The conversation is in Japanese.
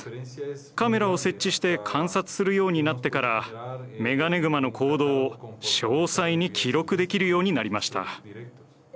カメラを設置して観察するようになってからメガネグマの行動を詳細に記録できるようになりました。